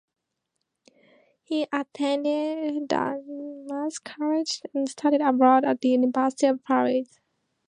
He attended Dartmouth College and studied abroad at the University of Paris.